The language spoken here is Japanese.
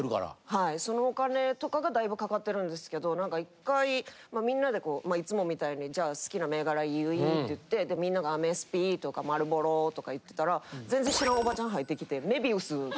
はいそのお金とかがだいぶかかってるんですけど何か１回みんなでこうまあいつもみたいにじゃあ好きな銘柄言いっていってみんながアメスピとかマルボロとか言ってたら全然知らんおばちゃん入ってきて。